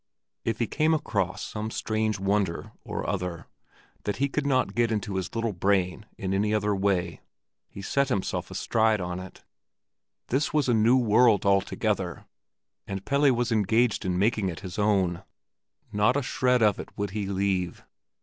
If he came across some strange wonder or other, that he could not get into his little brain in any other way, he set himself astride on it. This was a new world altogether, and Pelle was engaged in making it his own. Not a shred of it would he leave.